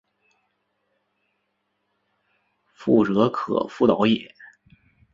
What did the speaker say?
覆辙可复蹈耶？